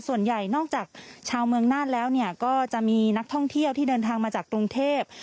ส่วนใหญ่นอกจากชาวเมืองน่านแล้วก็จะมีนักท่องเที่ยวที่เดินทางมาจากกรุงเทพ